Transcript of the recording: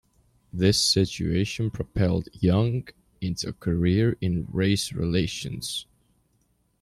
This situation propelled Young into a career in race relations.